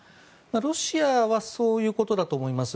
ロシアはそういうことだと思います。